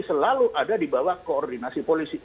selalu ada di bawah koordinasi polisi